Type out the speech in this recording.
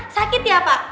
sakit ya pak